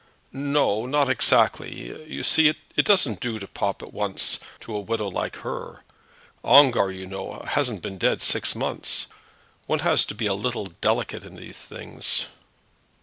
"No; not exactly. You see it doesn't do to pop at once to a widow like her. Ongar, you know, hasn't been dead six months. One has to be a little delicate in these things."